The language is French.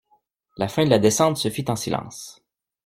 La fin de la descente se fit en silence.